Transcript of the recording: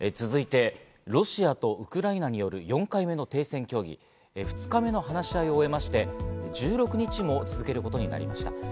続いてロシアとウクライナによる４回目の停戦協議、２日目の話し合いを終えまして、１６日も続けることになりました。